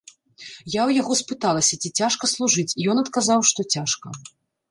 Я ў яго спыталася, ці цяжка служыць, ён адказаў, што цяжка.